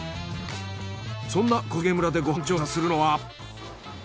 そんな小菅村でご飯調査するのは。